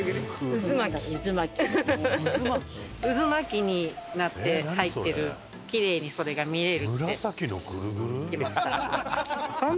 うずまきになって入ってるきれいにそれが見えるって。